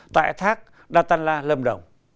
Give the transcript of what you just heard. tại thác đà tăn la lâm đồng